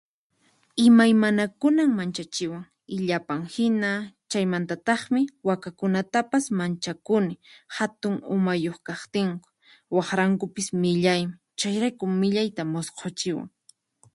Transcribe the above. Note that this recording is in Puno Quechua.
Imaymanakunan manchachiwan, illapan hina, chaymatataqmi wakakunatapas, manchakuni hatun umayuq kaqtinku, waqrankupis millaymi. Chayrayku millayta musqhuchiwan.